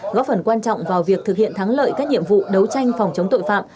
góp phần quan trọng vào việc thực hiện thắng lợi các nhiệm vụ đấu tranh phòng chống tội phạm